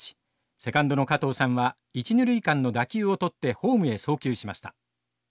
セカンドの嘉藤さんは一、二塁間の打球を捕ってホームへ送球しました。